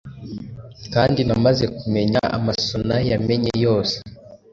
Kandi namaze kumenya amasonayamenye yose -